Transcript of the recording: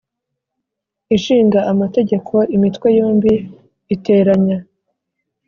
Ishinga Amategeko, Imitwe yombi iteranye,